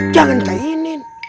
jangan cair inin